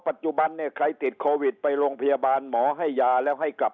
ปัจจุบันเนี่ยใครติดโควิดไปโรงพยาบาลหมอให้ยาแล้วให้กลับ